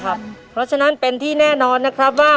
๕๐๐๐ครับเพราะฉะนั้นเป็นที่แน่นอนนะคว้า